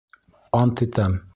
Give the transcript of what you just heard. Ант итәм...